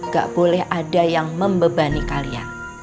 gak boleh ada yang membebani kalian